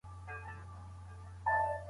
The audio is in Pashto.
رواني خوندیتوب د ښوونځي لومړیتوب دی.